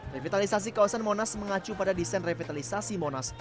revitalisasi kawasan monas mengacu pada desain revitalisasi monas